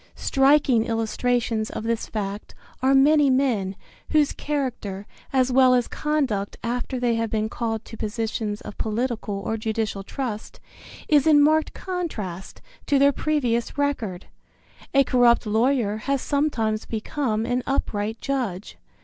Striking illustrations of this fact are many men, whose character, as well as conduct after they have been called to positions of political or judicial trust, is in marked contrast to their previous record. A corrupt lawyer has sometimes become an upright judge.